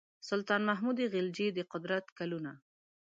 سلطان محمود خلجي د قدرت کلونه.